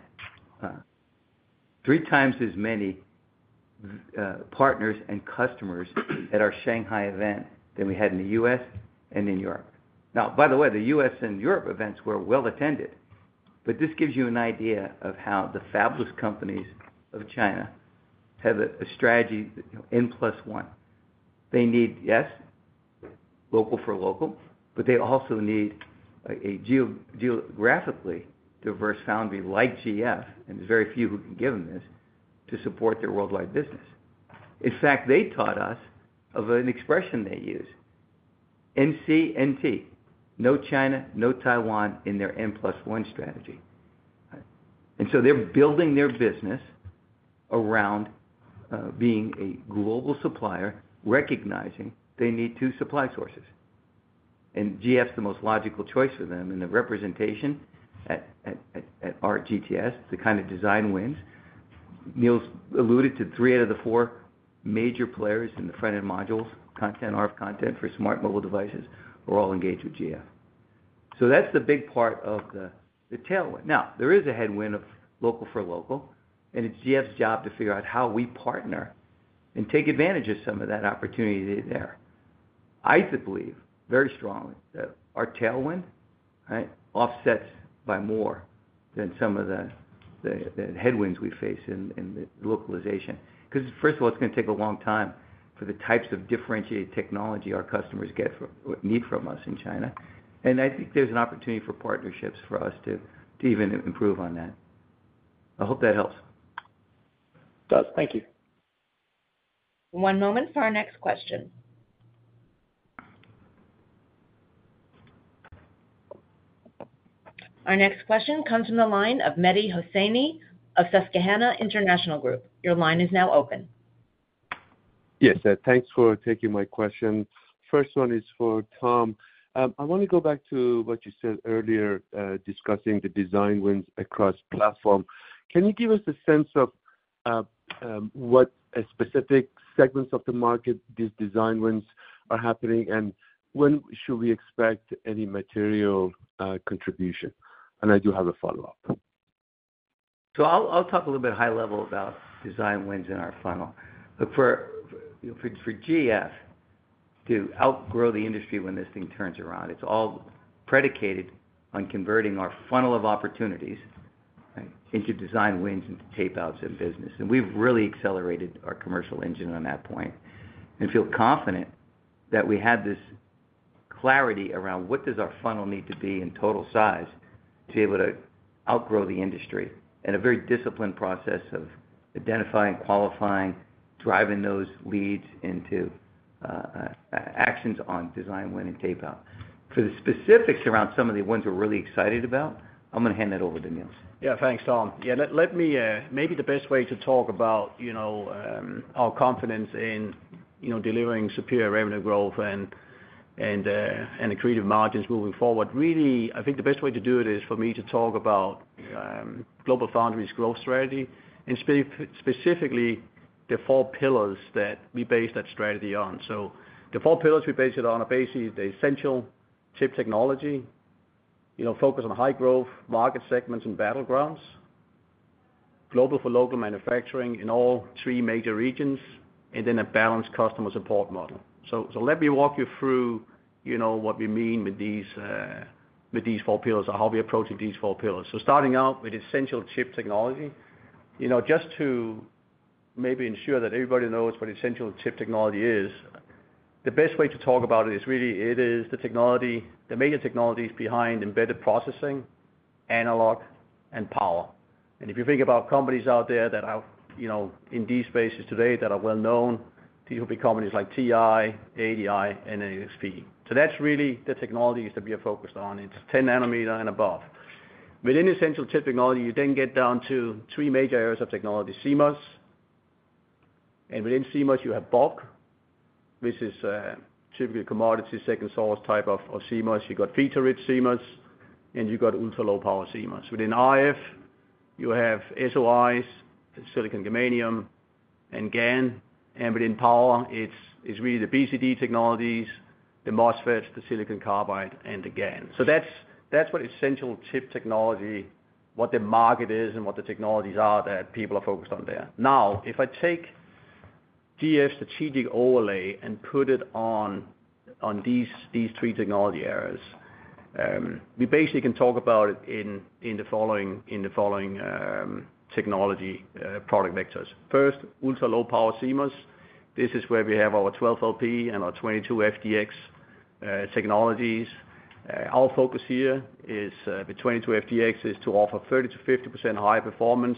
three times as many partners and customers at our Shanghai event than we had in the US and in Europe. Now, by the way, the US and Europe events were well attended. But this gives you an idea of how the fabless companies of China have a strategy N plus one. They need, yes, local for local, but they also need a geographically diverse foundry like GF, and there's very few who can give them this to support their worldwide business. In fact, they taught us of an expression they use, NCNT, no China, no Taiwan in their N plus one strategy. And so they're building their business around being a global supplier, recognizing they need two supply sources. And GF's the most logical choice for them. And the representation at our GTS, the kind of design wins. Niels alluded to three out of the four major players in the front-end modules, content, RF content for smart mobile devices are all engaged with GF. So that's the big part of the tailwind. Now, there is a headwind of local for local, and it's GF's job to figure out how we partner and take advantage of some of that opportunity there. I believe very strongly that our tailwind offsets by more than some of the headwinds we face in the localization. Because first of all, it's going to take a long time for the types of differentiated technology our customers need from us in China. And I think there's an opportunity for partnerships for us to even improve on that. I hope that helps. Yes, thank you. One moment for our next question. Our next question comes from the line of Mehdi Hosseini of Susquehanna International Group. Your line is now open. Yes, thanks for taking my question. First one is for Tom. I want to go back to what you said earlier discussing the design wins across platform. Can you give us a sense of what specific segments of the market these design wins are happening, and when should we expect any material contribution? And I do have a follow-up. So I'll talk a little bit high level about design wins in our funnel. But for GF to outgrow the industry when this thing turns around, it's all predicated on converting our funnel of opportunities into design wins and to tape out some business. And we've really accelerated our commercial engine on that point and feel confident that we had this clarity around what does our funnel need to be in total size to be able to outgrow the industry and a very disciplined process of identifying, qualifying, driving those leads into actions on design win and tape out. For the specifics around some of the ones we're really excited about, I'm going to hand that over to Niels. Yeah, thanks, Tom. Yeah, let me maybe the best way to talk about our confidence in delivering superior revenue growth and greater margins moving forward. Really, I think the best way to do it is for me to talk about GlobalFoundries' growth strategy and specifically the four pillars that we base that strategy on. So the four pillars we base it on are basically the essential chip technology, focus on high growth market segments and battlegrounds, global for local manufacturing in all three major regions, and then a balanced customer support model. So let me walk you through what we mean with these four pillars or how we approach these four pillars. Starting out with essential chip technology, just to maybe ensure that everybody knows what essential chip technology is, the best way to talk about it is really it is the technology, the major technologies behind embedded processing, analog, and power. And if you think about companies out there that are in these spaces today that are well known, these will be companies like TI, ADI, and NXP. So that's really the technologies that we are focused on. It's 10 nanometer and above. Within essential chip technology, you then get down to three major areas of technology: CMOS. And within CMOS, you have bulk, which is typically commodity second source type of CMOS. You've got feature-rich CMOS, and you've got ultra-low power CMOS. Within RF, you have SOIs, silicon germanium, and GaN. And within power, it's really the BCD technologies, the MOSFETs, the silicon carbide, and the GaN. So that's what essential chip technology, what the market is, and what the technologies are that people are focused on there. Now, if I take GF's strategic overlay and put it on these three technology areas, we basically can talk about it in the following technology product vectors. First, ultra-low power CMOS. This is where we have our 12LP and our 22FDX technologies. Our focus here is with 22FDX is to offer 30% to 50% higher performance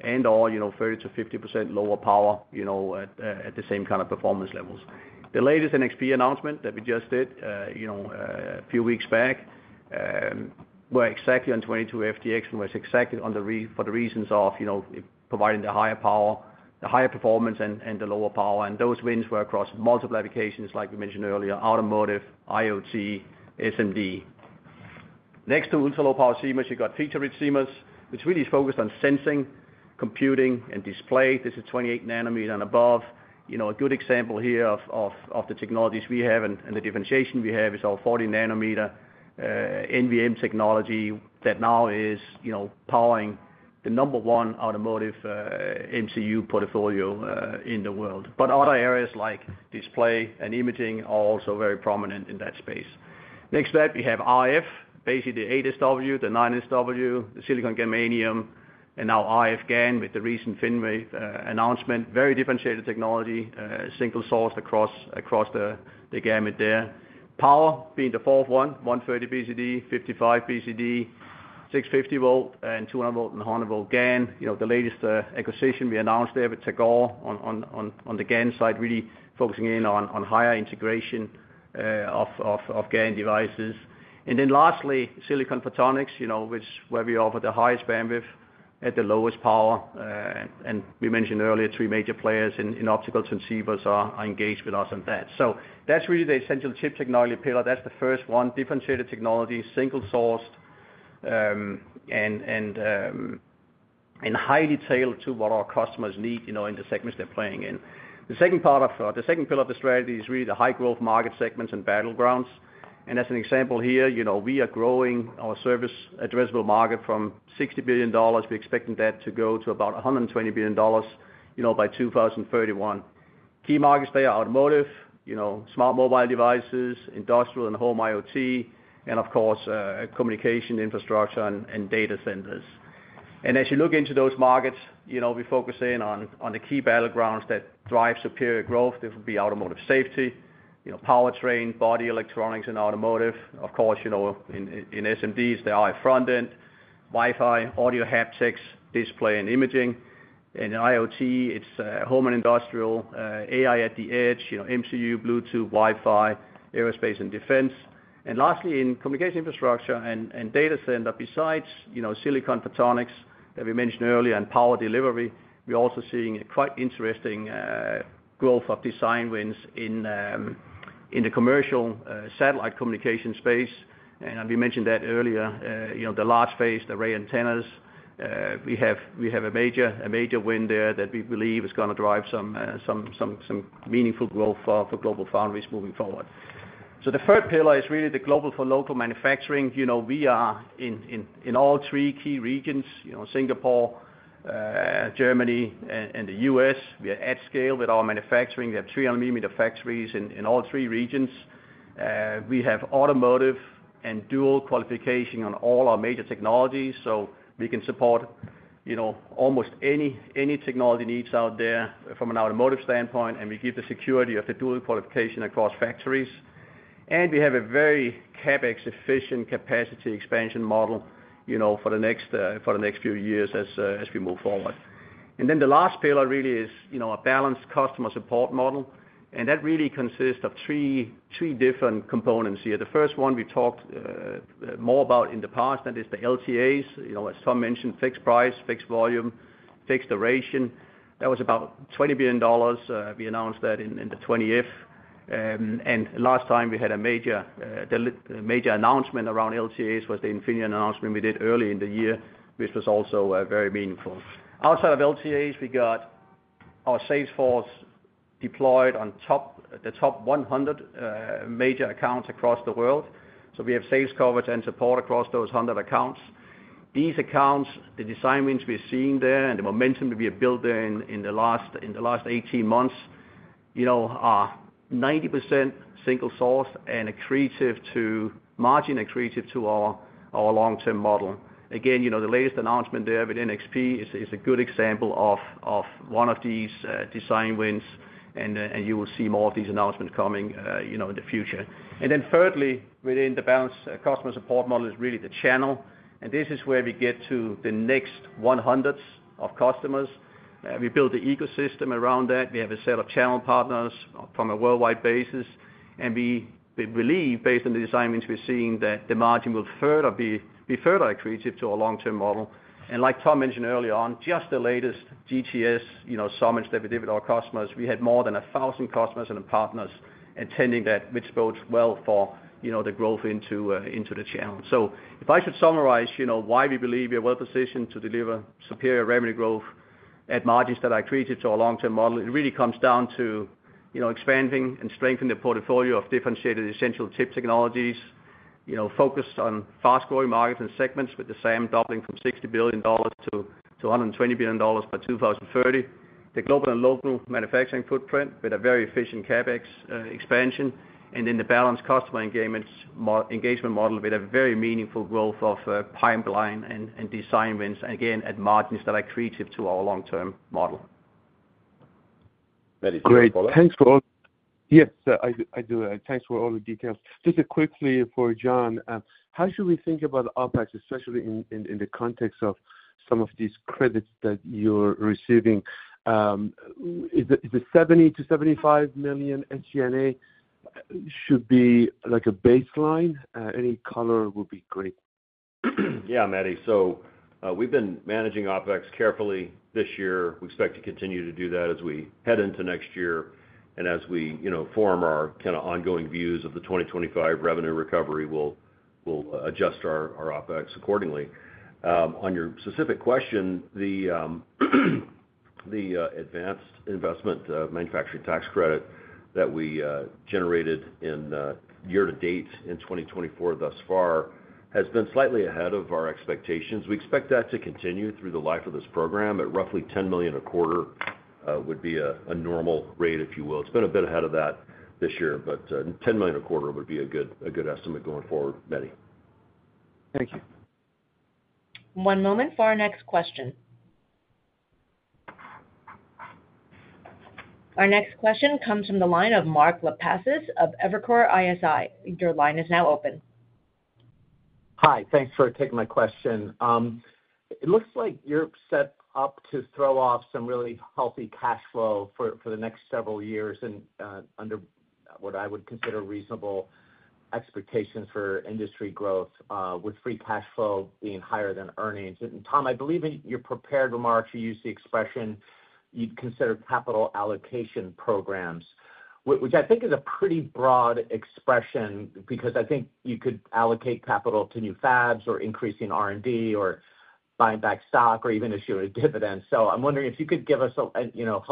and/or 30% to 50% lower power at the same kind of performance levels. The latest NXP announcement that we just did a few weeks back were exactly on 22FDX and were exactly for the reasons of providing the higher power, the higher performance, and the lower power, and those wins were across multiple applications, like we mentioned earlier, automotive, IoT, SMD. Next to ultra-low power CMOS, you've got feature-rich CMOS, which really is focused on sensing, computing, and display. This is 28 nanometer and above. A good example here of the technologies we have and the differentiation we have is our 40 nanometer NVM technology that now is powering the number one automotive MCU portfolio in the world. But other areas like display and imaging are also very prominent in that space. Next to that, we have RF, basically the 8SW, the 9SW, the silicon germanium, and now RF GaN with the recent FinWave announcement. Very differentiated technology, single source across the gamut there. Power being the fourth one, 130 BCD, 55 BCD, 650 volt, and 200 volt and 100 volt GaN. The latest acquisition we announced there with Tagore on the GaN side, really focusing in on higher integration of GaN devices. And then lastly, silicon photonics, which is where we offer the highest bandwidth at the lowest power. And we mentioned earlier, three major players in optical transceivers are engaged with us on that. So that's really the essential chip technology pillar. That's the first one, differentiated technology, single sourced, and highly tailored to what our customers need in the segments they're playing in. The second pillar of the strategy is really the high growth market segments and battlegrounds. And as an example here, we are growing our serviceable addressable market from $60 billion. We're expecting that to go to about $120 billion by 2031. Key markets there are automotive, smart mobile devices, industrial, and home IoT, and of course, communication infrastructure and data centers. And as you look into those markets, we focus in on the key battlegrounds that drive superior growth. There will be automotive safety, powertrain, body electronics, and automotive. Of course, in SMDs, there are front-end Wi-Fi, audio haptics, display and imaging. And in IoT, it's home and industrial, AI at the edge, MCU, Bluetooth, Wi-Fi, aerospace, and defense. And lastly, in communication infrastructure and data center, besides silicon photonics that we mentioned earlier and power delivery, we're also seeing a quite interesting growth of design wins in the commercial satellite communication space. And we mentioned that earlier, the large phased-array antennas. We have a major win there that we believe is going to drive some meaningful growth for GlobalFoundries moving forward. So the third pillar is really the local-for-local manufacturing. We are in all three key regions, Singapore, Germany, and the US We are at scale with our manufacturing. We have 300-millimeter factories in all three regions. We have automotive and dual qualification on all our major technologies. So we can support almost any technology needs out there from an automotive standpoint, and we give the security of the dual qualification across factories. And we have a very CapEx-efficient capacity expansion model for the next few years as we move forward. And then the last pillar really is a balanced customer support model. And that really consists of three different components here. The first one we talked more about in the past, that is the LTAs. As Tom mentioned, fixed price, fixed volume, fixed duration. That was about $20 billion. We announced that in 2020. And last time, we had a major announcement around LTAs was the Infineon announcement we did early in the year, which was also very meaningful. Outside of LTAs, we got our sales force deployed on the top 100 major accounts across the world. So we have sales coverage and support across those 100 accounts. These accounts, the design wins we're seeing there and the momentum that we have built there in the last 18 months are 90% single source and margin accretive to our long-term model. Again, the latest announcement there with NXP is a good example of one of these design wins, and you will see more of these announcements coming in the future. And then thirdly, within the balanced customer support model is really the channel. And this is where we get to the next 100s of customers. We built the ecosystem around that. We have a set of channel partners from a worldwide basis. We believe, based on the design wins we're seeing, that the margin will be further accretive to our long-term model. Like Tom mentioned earlier on, just the latest GTS summits that we did with our customers, we had more than 1,000 customers and partners attending that, which bodes well for the growth into the channel. So if I should summarize why we believe we are well positioned to deliver superior revenue growth at margins that are accretive to our long-term model, it really comes down to expanding and strengthening the portfolio of differentiated essential chip technologies, focused on fast-growing markets and segments with the SAM doubling from $60 to 120 billion by 2030, the global and local manufacturing footprint with a very efficient CapEx expansion, and then the balanced customer engagement model with a very meaningful growth of pipeline and design wins, again, at margins that are accretive to our long-term model. Great. Thanks for all. Yes, I do. Thanks for all the details. Just quickly for John, how should we think about OpEx, especially in the context of some of these credits that you're receiving? Is the $70 to 75 million at GaN should be a baseline? Any color would be great. Yeah, Mehdi. So we've been managing OpEx carefully this year. We expect to continue to do that as we head into next year. And as we form our kind of ongoing views of the 2025 revenue recovery, we'll adjust our OpEx accordingly. On your specific question, the Advanced Manufacturing Investment Tax Credit that we generated in year to date in 2024 thus far has been slightly ahead of our expectations. We expect that to continue through the life of this program. At roughly $10 million a quarter would be a normal rate, if you will. It's been a bit ahead of that this year, but $10 million a quarter would be a good estimate going forward, Mehdi. Thank you. One moment for our next question. Our next question comes from the line of Mark Lipacis of Evercore ISI. Your line is now open. Hi. Thanks for taking my question. It looks like you're set up to throw off some really healthy cash flow for the next several years and under what I would consider reasonable expectations for industry growth with free cash flow being higher than earnings. And Tom, I believe in your prepared remarks, you used the expression you'd consider capital allocation programs, which I think is a pretty broad expression because I think you could allocate capital to new fabs or increasing R&D or buying back stock or even issuing a dividend. So I'm wondering if you could help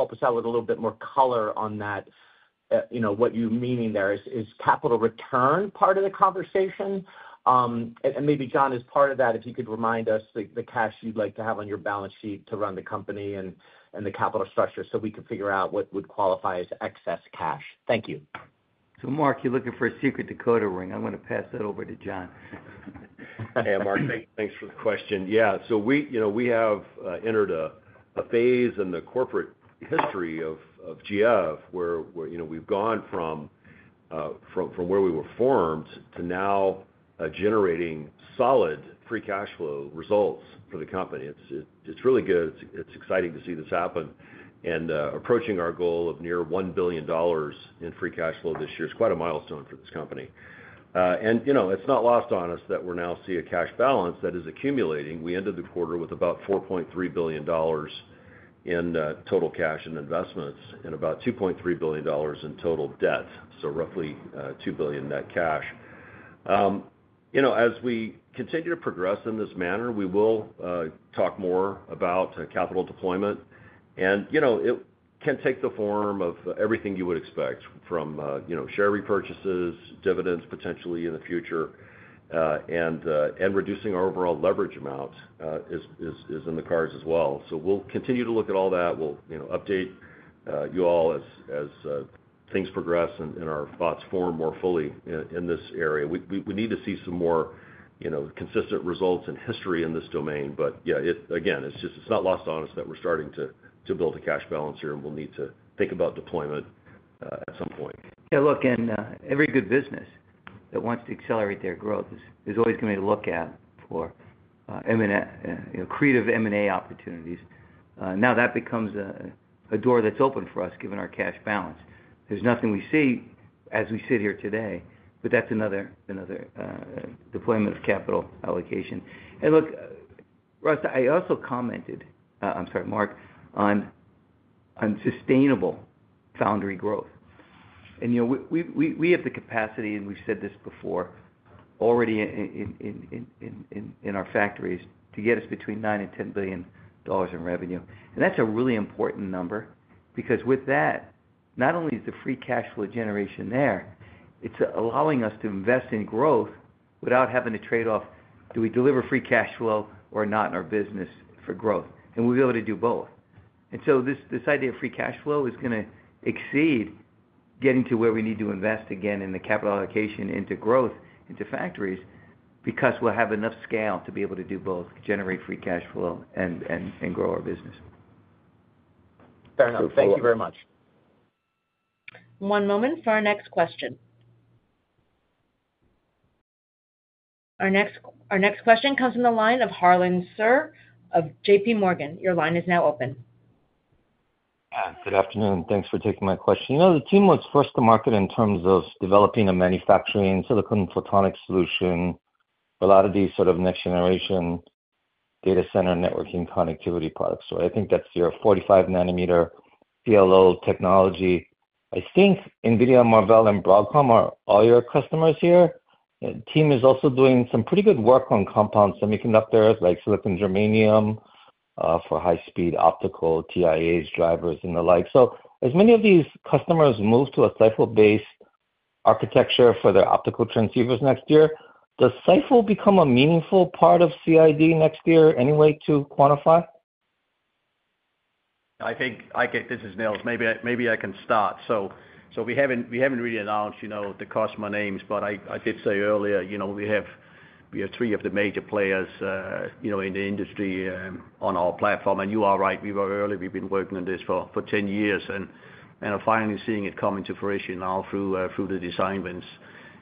us out with a little bit more color on that, what you're meaning there. Is capital return part of the conversation? Maybe John, as part of that, if you could remind us the cash you'd like to have on your balance sheet to run the company and the capital structure so we could figure out what would qualify as excess cash. Thank you. Mark, you're looking for a secret decoder ring. I'm going to pass that over to John. Hey, Mark. Thanks for the question. Yeah. So we have entered a phase in the corporate history of GF where we've gone from where we were formed to now generating solid free cash flow results for the company. It's really good. It's exciting to see this happen and approaching our goal of near $1 billion in free cash flow this year is quite a milestone for this company. And it's not lost on us that we're now seeing a cash balance that is accumulating. We ended the quarter with about $4.3 billion in total cash and investments and about $2.3 billion in total debt, so roughly $2 billion net cash. As we continue to progress in this manner, we will talk more about capital deployment. And it can take the form of everything you would expect from share repurchases, dividends potentially in the future, and reducing our overall leverage amount is in the cards as well. So we'll continue to look at all that. We'll update you all as things progress and our thoughts form more fully in this area. We need to see some more consistent results in history in this domain. But yeah, again, it's not lost on us that we're starting to build a cash balance here and we'll need to think about deployment at some point. Yeah, look, and every good business that wants to accelerate their growth is always going to be looking for creative M&A opportunities. Now that becomes a door that's open for us given our cash balance. There's nothing we see as we sit here today, but that's another deployment of capital allocation. And look, Ross, I also commented, I'm sorry, Mark, on sustainable foundry growth. And we have the capacity, and we've said this before already in our factories, to get us between $9 and 10 billion in revenue. And that's a really important number because with that, not only is the free cash flow generation there, it's allowing us to invest in growth without having to trade off do we deliver free cash flow or not in our business for growth. And we'll be able to do both. And so, this idea of Free Cash Flow is going to exceed getting to where we need to invest again in the capital allocation into growth into factories, because we'll have enough scale to be able to do both, generate Free Cash Flow, and grow our business. Fair enough. Thank you very much. One moment for our next question. Our next question comes from the line of Harlan Sur of JPMorgan. Your line is now open. Good afternoon. Thanks for taking my question. The team was first to market in terms of developing a manufacturing Silicon Photonics solution for a lot of these sort of next-generation data center networking connectivity products. So I think that's your 45-nanometer SOI technology. I think NVIDIA, Marvell, and Broadcom are all your customers here. The team is also doing some pretty good work on compound semiconductors like Silicon Germanium for high-speed optical TIAs, drivers, and the like. So as many of these customers move to a CPO-based architecture for their optical transceivers next year, does CPO become a meaningful part of the guide next year? Any way to quantify? I think this is Niels. Maybe I can start. So we haven't really announced the customer names, but I did say earlier we have three of the major players in the industry on our platform, and you are right. We were early. We've been working on this for 10 years, and I'm finally seeing it come into fruition now through the design wins.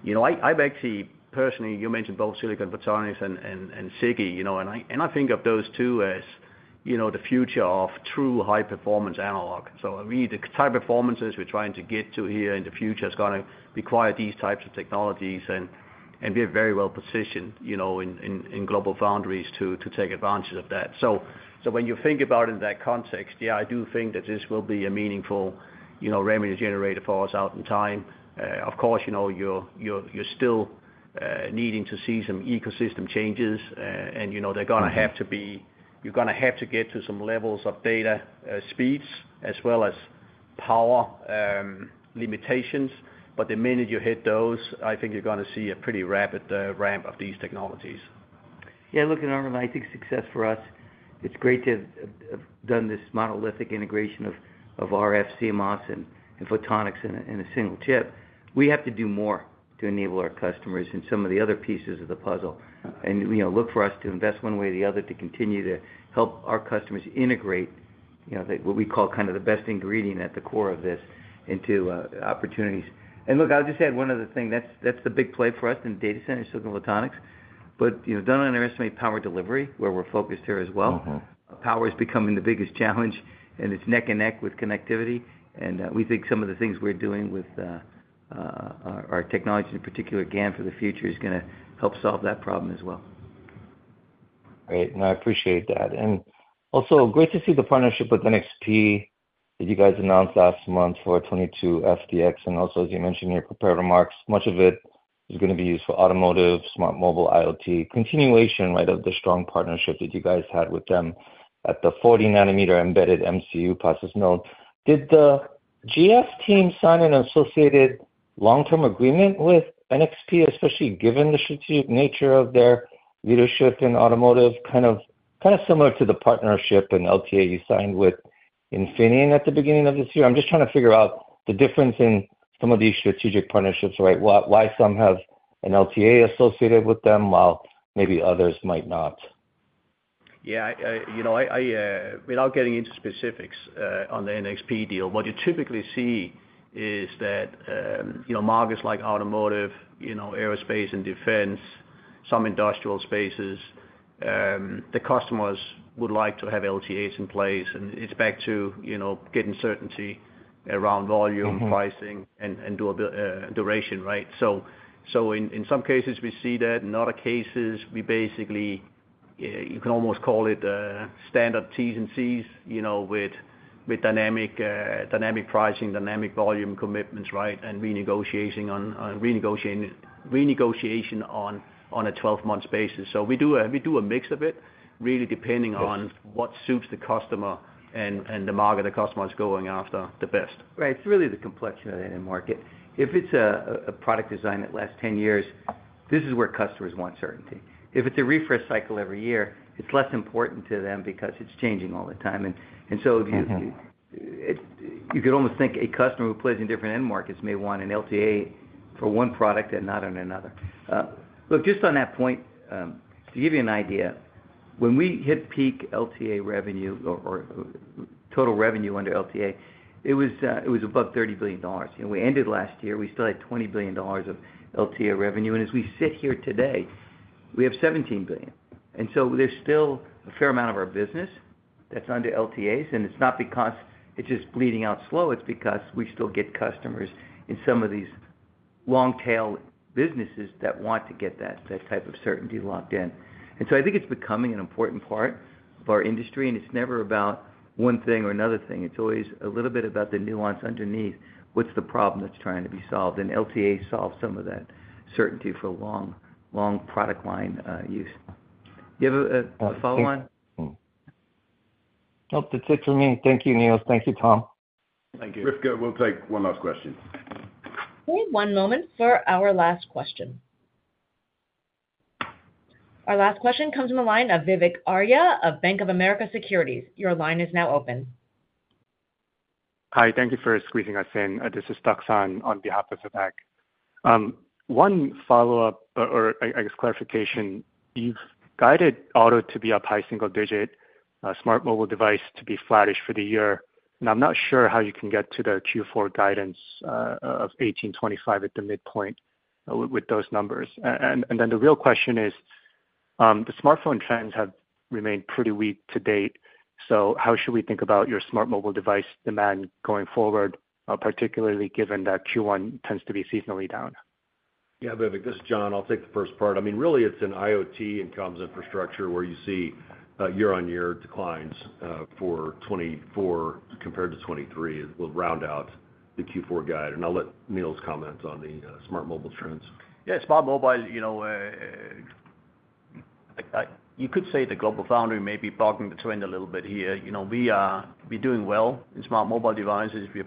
I've actually personally, you mentioned both silicon photonics and SiGe, and I think of those two as the future of true high-performance analog. So really, the type of performances we're trying to get to here in the future is going to require these types of technologies, and we're very well positioned in GlobalFoundries to take advantage of that. So when you think about it in that context, yeah, I do think that this will be a meaningful revenue generator for us out in time. Of course, you're still needing to see some ecosystem changes. And they're going to have to be. You're going to have to get to some levels of data speeds as well as power limitations. But the minute you hit those, I think you're going to see a pretty rapid ramp of these technologies. Yeah, looking over, I think success for us; it's great to have done this monolithic integration of RF, CMOS, and photonics in a single chip. We have to do more to enable our customers in some of the other pieces of the puzzle. And look for us to invest one way or the other to continue to help our customers integrate what we call kind of the best ingredient at the core of this into opportunities. And look, I'll just add one other thing. That's the big play for us in data center and Silicon Photonics. But don't underestimate power delivery where we're focused here as well. Power is becoming the biggest challenge, and it's neck and neck with connectivity. And we think some of the things we're doing with our technology, in particular, GaN for the future, is going to help solve that problem as well. Great. No, I appreciate that. And also, great to see the partnership with NXP that you guys announced last month for 22FDX. And also, as you mentioned in your prepared remarks, much of it is going to be used for automotive, smart mobile, IoT. Continuation of the strong partnership that you guys had with them at the 40-nanometer embedded MCU process node. Did the GF team sign an associated long-term agreement with NXP, especially given the strategic nature of their leadership in automotive? Kind of similar to the partnership and LTA you signed with Infineon at the beginning of this year. I'm just trying to figure out the difference in some of these strategic partnerships, right? Why some have an LTA associated with them while maybe others might not? Yeah. Without getting into specifics on the NXP deal, what you typically see is that markets like automotive, aerospace, and defense, some industrial spaces, the customers would like to have LTAs in place. And it's back to getting certainty around volume, pricing, and duration, right? So in some cases, we see that. In other cases, we basically, you can almost call it standard Ts and Cs with dynamic pricing, dynamic volume commitments, right, and renegotiation on a 12-month basis. So we do a mix of it, really depending on what suits the customer and the market the customer is going after the best. Right. It's really the complexity of the end market. If it's a product design that lasts 10 years, this is where customers want certainty. If it's a refresh cycle every year, it's less important to them because it's changing all the time. And so you could almost think a customer who plays in different end markets may want an LTA for one product and not another. Look, just on that point, to give you an idea, when we hit peak LTA revenue or total revenue under LTA, it was above $30 billion. We ended last year. We still had $20 billion of LTA revenue. And as we sit here today, we have $17 billion. And so there's still a fair amount of our business that's under LTAs. And it's not because it's just bleeding out slow. It's because we still get customers in some of these long-tail businesses that want to get that type of certainty locked in. And so I think it's becoming an important part of our industry. And it's never about one thing or another thing. It's always a little bit about the nuance underneath. What's the problem that's trying to be solved? And LTAs solve some of that certainty for long product line use. Do you have a follow-on? Nope. That's it for me. Thank you, Niels. Thank you, Tom. Thank you. Rifkah, we'll take one last question. One moment for our last question. Our last question comes from the line of Vivek Arya of Bank of America Securities. Your line is now open. Hi. Thank you for squeezing us in. This is Duksan on behalf of Vivek. One follow-up or, I guess, clarification. You've guided auto to be a high single-digit smart mobile device to be flattish for the year. And I'm not sure how you can get to the Q4 guidance of 1825 at the midpoint with those numbers. And then the real question is the smartphone trends have remained pretty weak to date. So how should we think about your smart mobile device demand going forward, particularly given that Q1 tends to be seasonally down? Yeah, Vivek, this is John. I'll take the first part. I mean, really, it's an IoT and comms infrastructure where you see year-on-year declines for 2024 compared to 2023. We'll round out the Q4 guide. And I'll let Niels comment on the smart mobile trends. Yeah, smart mobile, you could say GlobalFoundries may be bogging the train a little bit here. We're doing well in smart mobile devices. We're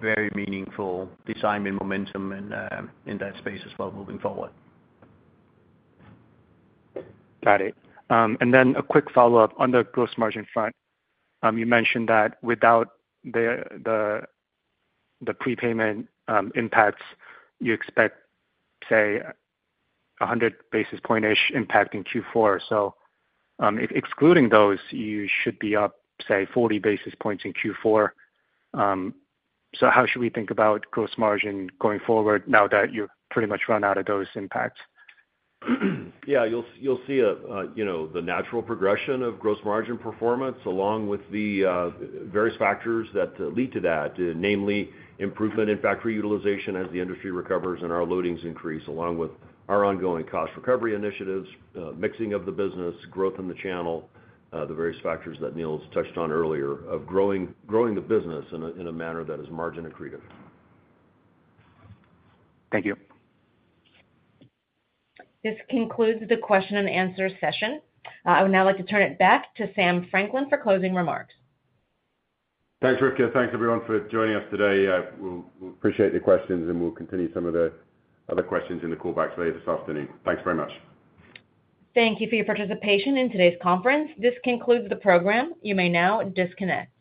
particularly doing well on our IoT portfolio. And from a design win standpoint, we have very meaningful design win momentum in that space as well moving forward. Got it. And then a quick follow-up on the gross margin front. You mentioned that without the prepayment impacts, you expect, say, 100 basis point-ish impact in Q4. So excluding those, you should be up, say, 40 basis points in Q4. So how should we think about gross margin going forward now that you've pretty much run out of those impacts? Yeah, you'll see the natural progression of gross margin performance along with the various factors that lead to that, namely improvement in factory utilization as the industry recovers and our loadings increase, along with our ongoing cost recovery initiatives, mixing of the business, growth in the channel, the various factors that Niels touched on earlier of growing the business in a manner that is margin accretive. Thank you. This concludes the question and answer session. I would now like to turn it back to Sam Franklin for closing remarks. Thanks, Rifkah. Thanks, everyone, for joining us today. We appreciate the questions, and we'll continue some of the other questions in the callbacks later this afternoon. Thanks very much. Thank you for your participation in today's conference. This concludes the program. You may now disconnect.